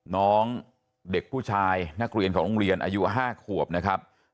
น้องเด็กผู้ชายนักเรียนของโรงเรียนอายุ๕ขวบนะครับ